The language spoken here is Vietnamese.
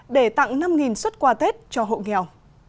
để tặng năm xuất quà tết cho hộ nghèo